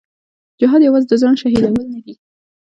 جهاد یوازې د ځان شهیدول نه دي.